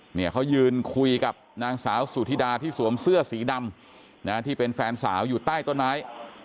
เนี่ยเขายืนคุยกับนางสาวสุธิดาที่สวมเสื้อสีดำนะที่เป็นแฟนสาวอยู่ใต้ต้นไม้